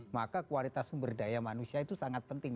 maka kualitas sumber daya manusia itu sangat penting